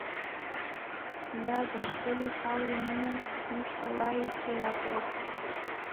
لادخپلی خاوری مینه، موږ ته وایی چه راپاڅئ